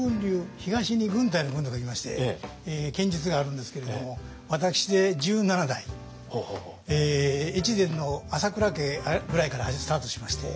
東に軍隊の軍と書きまして剣術があるんですけれども私で１７代越前の朝倉家ぐらいからスタートしまして。